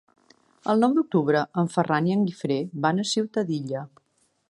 El nou d'octubre en Ferran i en Guifré van a Ciutadilla.